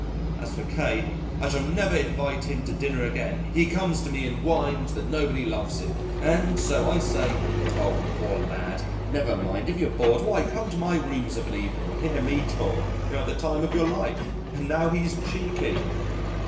As for K , I shall never invite him to dinner again. He comes to me and whines that nobody loves him, and so I say, 'Oh! poor lad, never mind, if you're bored, why, come to my rooms of an evening and hear me talk you'll have the time of your life.' And now he's cheeky."